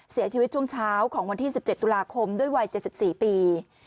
เสียชีวิตช่วงเช้าของวันที่๑๗ตุลาคมด้วยวัย๗๔ปี